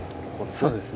そうですね。